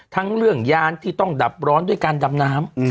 เรื่องยานที่ต้องดับร้อนด้วยการดำน้ำ